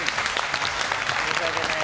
申し訳ない。